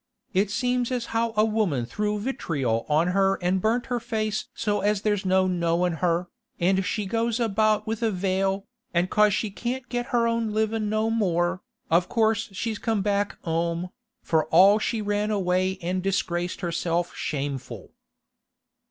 It seems as how a woman threw vitriol over her an' burnt her face so as there's no knowin' her, an' she goes about with a veil, an' 'cause she can't get her own livin' no more, of course she's come back 'ome, for all she ran away an' disgraced herself shameful.